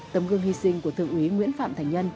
tấm gương hy sinh của thượng úy nguyễn phạm thành nhân